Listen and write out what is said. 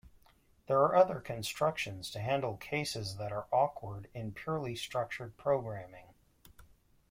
There are other constructions to handle cases that are awkward in purely structured programming.